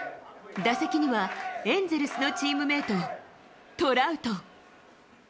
打席にはエンゼルスのチームメート、トラウト。